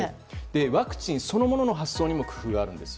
ワクチンそのものの発送にも工夫があるんですよ。